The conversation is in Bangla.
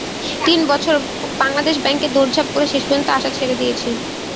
তিন বছর বাংলাদেশ ব্যাংকে দৌড়ঝাঁপ করে শেষ পর্যন্ত আশা ছেড়ে দিয়েছি।